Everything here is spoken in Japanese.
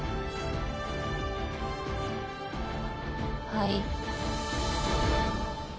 はい。